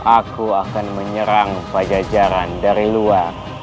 aku akan menyerang pada jalan dari luar